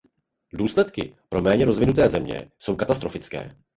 Důsledky pro méně rozvinuté země jsou katastrofické.